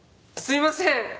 すいません！